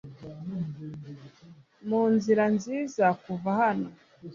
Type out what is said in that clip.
Ninzira nziza kuva hano .